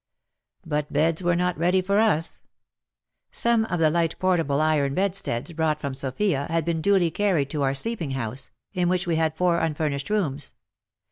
But beds were not ready for us. Some of the light portable iron bedsteads brought from Sofia had been duly carried to our sleeping house, in which we had four unfurnished rooms.